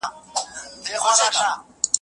دغه خنجر دې څنګه پورته کړ پخپله په ځان؟